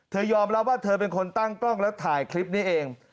ยอมรับว่าเธอเป็นคนตั้งกล้องแล้วถ่ายคลิปนี้เอง